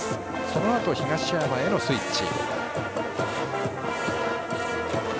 そのあと東山へのスイッチ。